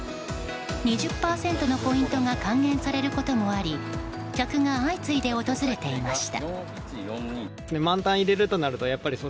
２０％のポイントが還元されることもあり客が相次いで訪れていました。